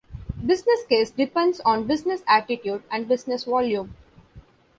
Business case depends on business attitude and business volume.